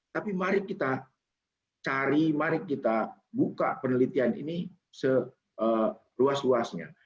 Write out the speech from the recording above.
tapi mari kita cari mari kita buka penelitian ini seluas luasnya